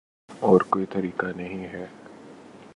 اور کوئی طریقہ نہیں ہے